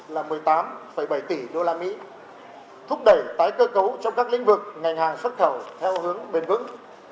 và mức xuất siêu cũng đã đạt kỷ lục một mươi tám bảy tỷ usd thúc đẩy tái cơ cấu trong các lĩnh vực ngành hàng xuất khẩu theo hướng bền vững